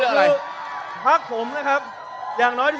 คุณจิลายุเขาบอกว่ามันควรทำงานร่วมกัน